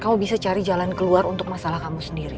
kamu bisa cari jalan keluar untuk masalah kamu sendiri